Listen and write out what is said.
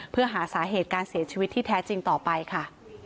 เพื่อหาสาเหตุการเสียชีวิตที่แท้จริงต่อไปค่ะ